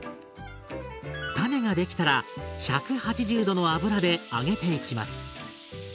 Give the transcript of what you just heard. タネができたら１８０℃の油で揚げていきます。